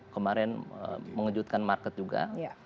kemarin mengejutkan market juga